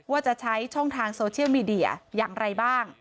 ว่าจะใช้ช่องทางโซเชียลมีเดียอย่างไรบ้าง